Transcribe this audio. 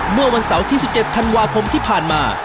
เมื่อวันเสาร์ที่๑๗ธันวาคมที่ผ่านมา